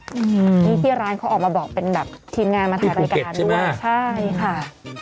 อือนี่พี่ร้านเขาออกมาบอกเป็นแบบทีมงานมาถ่ายรายการด้วยที่ภูเก็ตใช่ไหม